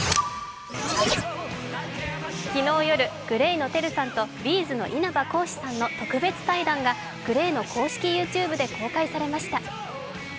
昨日夜、ＧＬＡＹのＴＥＲＵさんとＢ’ｚの稲葉浩志さんの特別対談がＧＬＡＹの公式ＹｏｕＴｕｂｅで公開されました。